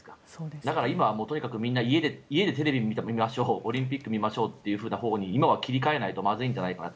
だから今はもうとにかく家でテレビを見ましょうオリンピックを見ましょうというほうに切り替えないとまずいんじゃないかなと。